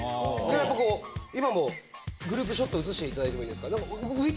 やっぱりこう、今もグループショット写していただいてもいいですか？